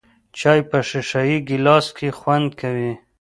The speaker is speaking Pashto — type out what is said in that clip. چای په ښیښه یې ګیلاس کې خوند کوي .